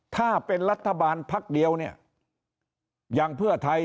ถ้าเป็นรัฐบาลพักเดียวเนี่ยอย่างเพื่อไทย